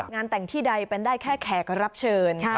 งานแต่งที่ใดเป็นได้แค่แขกรับเชิญ